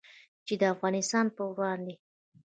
چې د افغانستان په وړاندې